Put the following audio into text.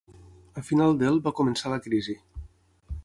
A final del va començar la crisi.